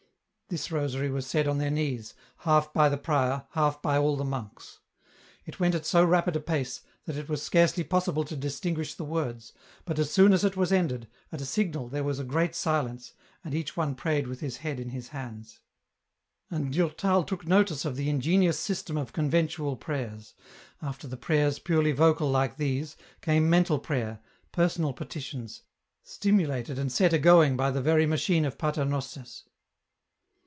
This rosary was said on their knees, half by the prior, half by all the monks. It went at so rapid a pace that it was scarcely possible to distinguish the words, but as soon as it was ended, at a signal there was a great silence, and each one prayed with his head in his hands. And Durtal took notice of the ingenious system of con ventual prayers : after the prayers purely vocal like these, came mental prayer, personal petitions, stimulated and set a going by the very machine of paternosters.